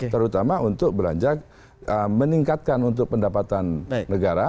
terutama untuk beranjak meningkatkan untuk pendapatan negara